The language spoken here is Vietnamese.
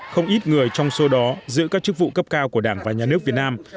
không ít người trong số đó giữ các chức vụ cấp cao của đảng và nhà nước việt nam